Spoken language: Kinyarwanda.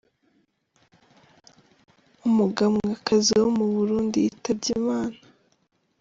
Umuganwakazi wo mu Burundi yitabye Imana